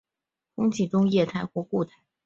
空气中液态或固态的水不算在湿度中。